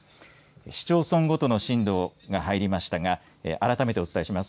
市町村ごとの震度が入りましたが改めてお伝えします。